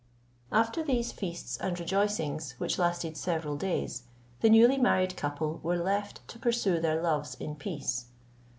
After these feasts and rejoicings, which lasted several days, the newly married couple were left to pursue their loves in peace.